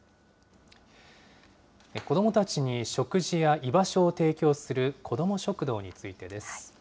子どもたちに食事や居場所を提供するこども食堂についてです。